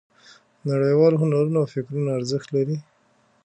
نړیوال هنرونه او فکرونه ارزښت لري.